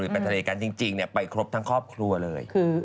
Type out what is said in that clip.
ไปทะเลกันไปทั้งครอบครัวเลย